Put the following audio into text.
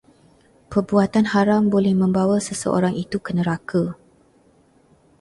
Perbuatan haram boleh membawa seseorang itu ke neraka